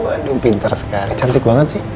waduh pinter sekali cantik banget sih